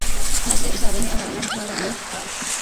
maze uzabone abana b’abana bawe